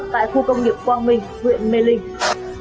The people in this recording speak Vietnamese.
tại khu công nghiệp quang minh huyện mê linh